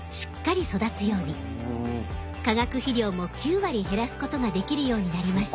化学肥料も９割減らすことができるようになりました。